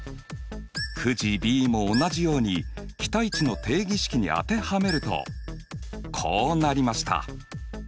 くじＢも同じように期待値の定義式に当てはめるとこうなりました。